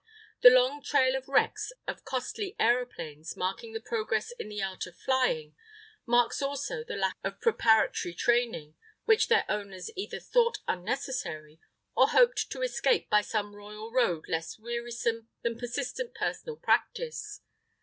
The long trail of wrecks of costly aeroplanes marking the progress in the art of flying marks also the lack of preparatory training, which their owners either thought unnecessary, or hoped to escape by some royal road less wearisome than persistent personal practice.